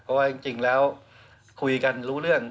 เพราะว่าจริงแล้วคุยกันรู้เรื่อง